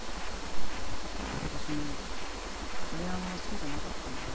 私ねカレーあんま好きじゃなかったんだ。